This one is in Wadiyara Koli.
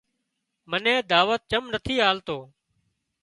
منين دعوت چم نٿي آلتو